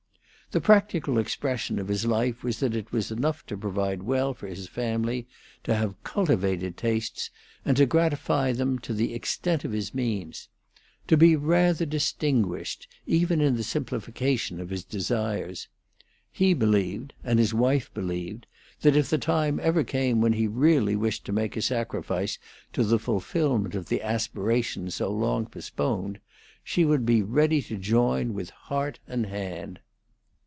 The practical expression of his life was that it was enough to provide well for his family; to have cultivated tastes, and to gratify them to the extent of his means; to be rather distinguished, even in the simplification of his desires. He believed, and his wife believed, that if the time ever came when he really wished to make a sacrifice to the fulfilment of the aspirations so long postponed, she would be ready to join with heart and hand.